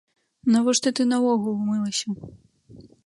Навошта ты наогул мылася?